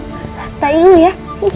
letakin dulu ya